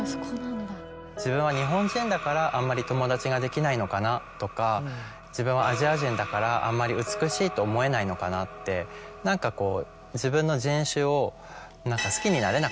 自分は日本人だからあんまり友達ができないのかなとか自分はアジア人だからあんまり美しいと思えないのかなって何かこう。